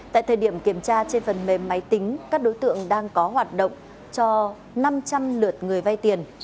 và trên phần mềm máy tính các đối tượng đang có hoạt động cho năm trăm linh lượt người vay tiền